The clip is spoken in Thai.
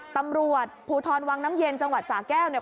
ตำรวจภูทรวังน้ำเย็นจังหวัดสาแก้วเนี่ย